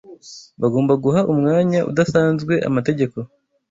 Bagomba guha umwanya udasanzwe amategeko